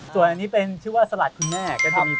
ส่วนอันนี้เป็นชื่อว่าสลัดคุณแม่